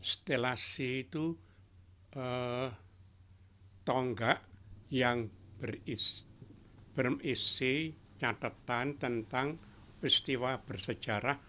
stelasi itu tonggak yang berisi nyatetan tentang peristiwa bersejarah